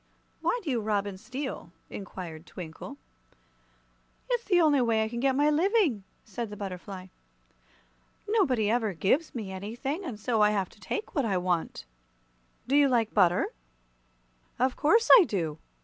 "Why do you rob and steal?" inquired Twinkle. "It's the only way I can get my living," said the butterfly. "Nobody ever gives me anything, and so I have to take what I want." "Do you like butter?" "Of course I do!